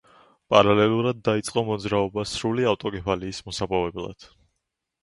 პარალელურად დაიწყო მოძრაობა სრული ავტოკეფალიის მოსაპოვებლად.